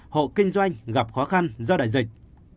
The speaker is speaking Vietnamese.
hộ kinh doanh gặp khó khăn do đại dịch